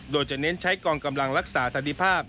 โดยจะเน้นใช้กองกำลังรักษาสันติภาพ